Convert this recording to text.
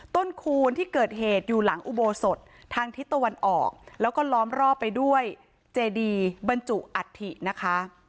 คูณที่เกิดเหตุอยู่หลังอุโบสถทางทิศตะวันออกแล้วก็ล้อมรอบไปด้วยเจดีบรรจุอัฐินะคะ